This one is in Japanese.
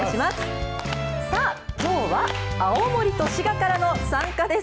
さあ、きょうは青森と滋賀からの参加です。